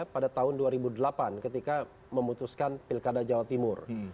pada tahun dua ribu delapan ketika memutuskan pilkada jawa timur